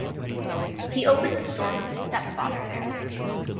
He opened a store with his stepfather there.